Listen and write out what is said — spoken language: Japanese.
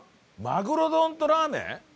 マグロ丼とラーメン？